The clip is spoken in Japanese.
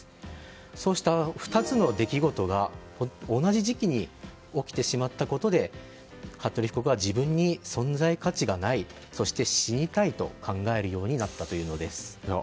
そうした２つの出来事が同じ時期に起きてしまったことで服部被告は自分に存在価値がないそして死にたいと考えるようになったというのです。